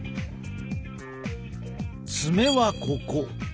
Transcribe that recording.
爪はここ。